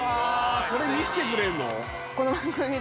それ見せてくれんの？